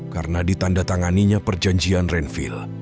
karena ditanda tanganinya perjanjian renville